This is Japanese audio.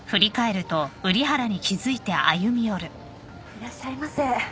いらっしゃいませ。